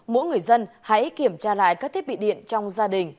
mỗi người dân hãy kiểm tra lại các thiết bị điện trong gia đình